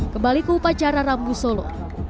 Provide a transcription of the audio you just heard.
kebalik ke upacara rabu solo